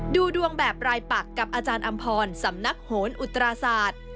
ดูดวงแบบรายปักกับอาจารย์อำพรสำนักโหนอุตราศาสตร์